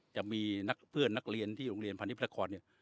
จะมีนักเพื่อนนักเรียนที่โรงเรียนพาณิชพระครเนี่ย